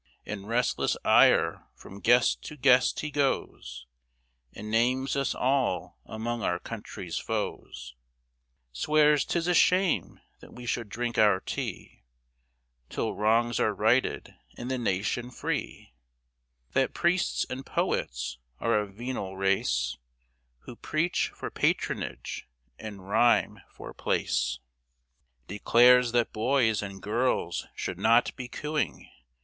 In restless ire from guest to guest he goes, And names us all among our country's foes; Swears 'tis a shame that we should drink our tea, 'Till wrongs are righted and the nation free, That priests and poets are a venal race, Who preach for patronage and rhyme for place; Declares that boys and girls should not be cooing.